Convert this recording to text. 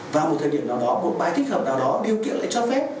vào một thời điểm nào đó một bài thích hợp nào đó điều kiện lại cho phép